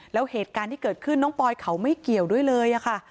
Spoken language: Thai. แล้วเหตุการณ์ที่เกิดขึ้นน้องปอยเขาไม่เกี่ยวด้วยเลยค่ะ